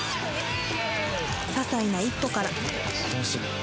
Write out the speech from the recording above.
ささいな一歩から